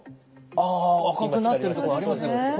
あ赤くなってる所ありますね。